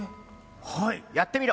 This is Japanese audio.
やってみろ！